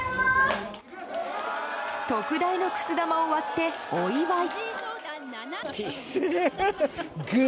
特大のくす玉を割ってお祝い。